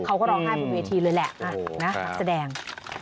เขาก็ร้องไห้บนพิวเทียเลยแหละแสดง